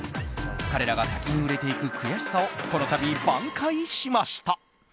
彼らが先に売れていく悔しさをこの度、挽回しました。